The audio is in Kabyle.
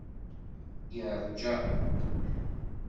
Yeṛja.